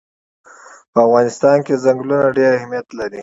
په افغانستان کې چنګلونه ډېر اهمیت لري.